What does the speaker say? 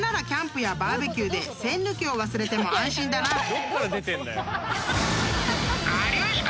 どっから出てんだよ！